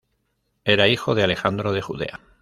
Era hijo de Alejandro de Judea.